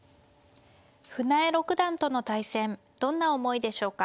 船江六段との対戦どんな思いでしょうか。